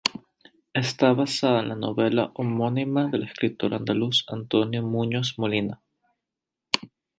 Está basada en la novela homónima del escritor andaluz Antonio Muñoz Molina.